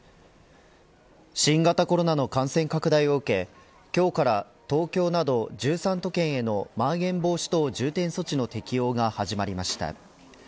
新型コロナの感染拡大を受け今日から東京など１３都県へのまん延防止等重点措置の適用が始まりました。